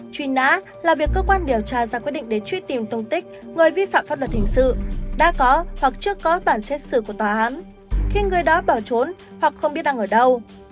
truy nã là việc cơ quan điều tra ra quyết định để truy tìm tung tích người vi phạm pháp luật hình sự đã có hoặc chưa có bản xét xử của tòa án khi người đó bỏ trốn hoặc không biết đang ở đâu